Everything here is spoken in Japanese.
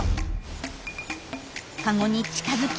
カゴに近づき